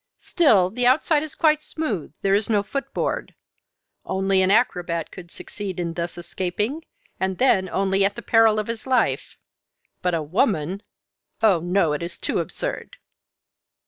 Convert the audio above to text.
Still, the outside is quite smooth, there is no foot board. Only an acrobat could succeed in thus escaping, and then only at the peril of his life. But a woman oh, no! it is too absurd."